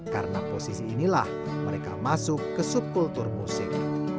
karena posisi inilah mereka masuk ke subkultur musik